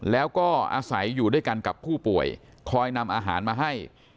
แล้วก็อาศัยอยู่ด้วยกันกับผู้ป่วยคอยนำอาหารมาให้